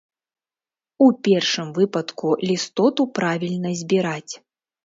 У першым выпадку лістоту правільна збіраць.